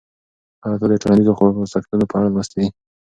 آیا تا د ټولنیزو خوځښتونو په اړه لوستي دي؟